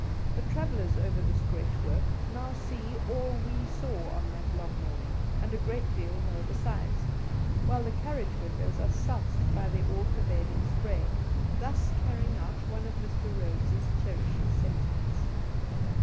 The travellers over this great work now see all we saw on that long morning, and a great deal more besides, while the carriage windows are soused by the all pervading spray, thus carrying out one of Mr. Rhodes's cherished sentiments.